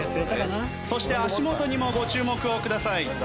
そして足元にもご注目をください。